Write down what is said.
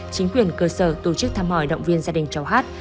chính quyền cơ sở tổ chức thăm hỏi động viên gia đình cháu hát